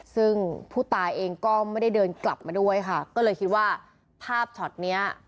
ซึ่งผู้ตายเองก็ไม่ได้เดินกลับมาด้วยค่ะก็เลยคิดว่าภาพช็อตเนี้ย